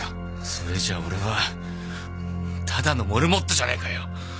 それじゃ俺はただのモルモットじゃねえかよ！